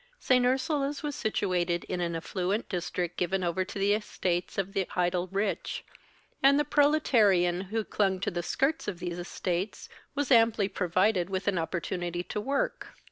St. Ursula's was situated in an affluent district given over to the estates of the idle rich, and the proletarian who clung to the skirts of these estates was amply provided with an opportunity to work.